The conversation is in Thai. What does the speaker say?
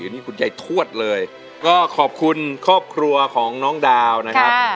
นี่คุณยายทวดเลยก็ขอบคุณครอบครัวของน้องดาวนะครับ